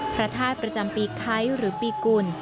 พระธาตุประจำปีไคร้หรือปีกุล